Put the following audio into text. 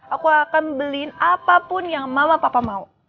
aku akan beliin apapun yang mama papa mau